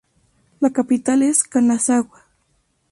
La capital es Kanazawa.